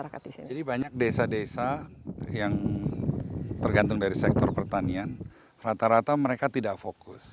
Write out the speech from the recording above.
jadi banyak desa desa yang tergantung dari sektor pertanian rata rata mereka tidak fokus